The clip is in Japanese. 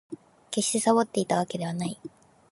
決してサボっていたわけではない